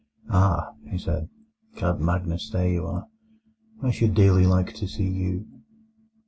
"Ah," he said, "Count Magnus, there you are. I should dearly like to see you."